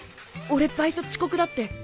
俺バイト遅刻だって。